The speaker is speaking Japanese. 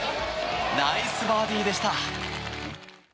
ナイスバーディーでした！